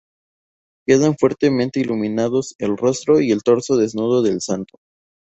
Quedan fuertemente iluminados el rostro y el torso desnudo del santo.